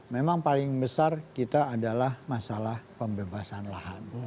memang paling besar kita adalah masalah pembebasan lahan